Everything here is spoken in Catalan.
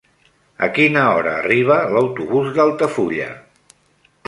A quina hora arriba l'autobús d'Altafulla?